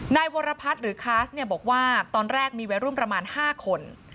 นายวรพัฒน์หรือคัสเนี่ยบอกว่าตอนแรกมีวัยรุ่นประมาณ๕คน